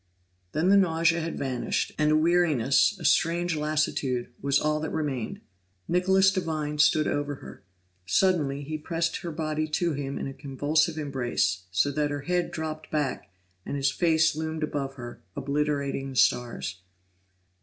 Then the nausea had vanished, and a weariness, a strange lassitude, was all that remained. Nicholas Devine stood over her; suddenly he pressed her body to him in a convulsive embrace, so that her head dropped back, and his face loomed above her, obliterating the stars.